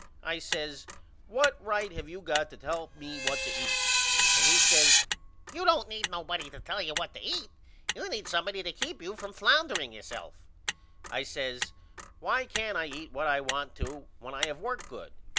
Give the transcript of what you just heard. I says What right have you got to tell me what to eat? And he says You don't need nobody to tell you what to eat you need somebody to keep you from floundering yourself I says Why can't I eat what I want to when I have worked good?